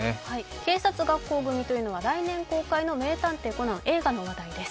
警察学校組というのは来年公開の「名探偵コナン」映画の話題です。